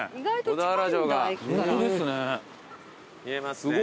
見えますね。